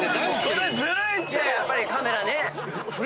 やっぱりカメラね。